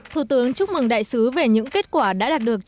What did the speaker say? thủ tướng chúc mừng đại sứ về những kết quả đã đạt được